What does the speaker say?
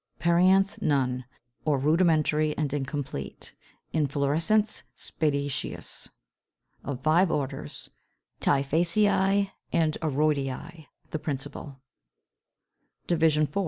Perianth none, or rudimentary and incomplete: inflorescence spadiceous. Of five orders, Typhaceæ and Aroideæ the principal. _Division IV.